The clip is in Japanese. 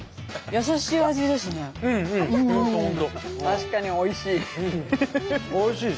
確かにおいしい！